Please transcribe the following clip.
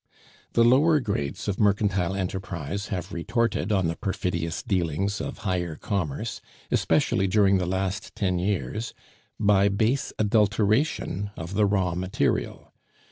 The lower grades of mercantile enterprise have retorted on the perfidious dealings of higher commerce, especially during the last ten years, by base adulteration of the raw material.